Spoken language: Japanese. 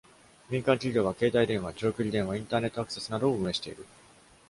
民間企業は、携帯電話、長距離電話、インターネットアクセスなどを運営している。